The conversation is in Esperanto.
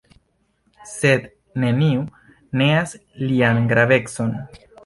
Sed neniu neas lian gravecon.